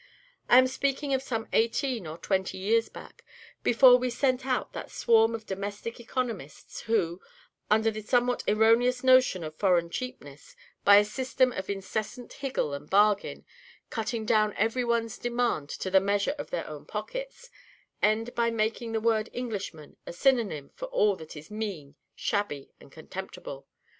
I am speaking of some eighteen or twenty years back, before we sent out that swarm of domestic economists who, under the somewhat erroneous notion of foreign cheapness, by a system of incessant higgle and bargain, cutting down every one's demand to the measure of their own pockets, end by making the word 'Englishman' a synonym for all that is mean, shabby, and contemptible.